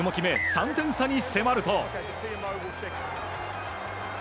３点差に迫ると。